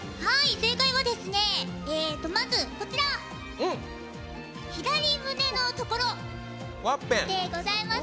正解は、まず左胸のところでございます。